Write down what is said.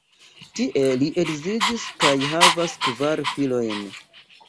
Tie li edziĝis kaj havas kvar filojn.